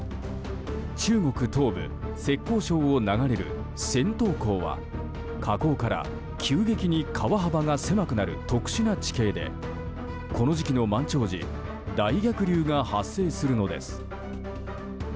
中国東部浙江省を流れる銭塘江は河口から急激に川幅が狭くなる特殊な地形でこの時期の満潮時大逆流が発生するのです。